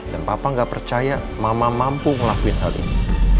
dan papa nggak percaya mama mampu ngelakuin hal ini